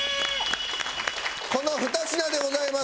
この２品でございます。